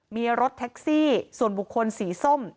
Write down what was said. มีรถแท็กซี่ส่วนบุคคลสีส้ม